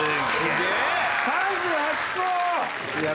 ３８個！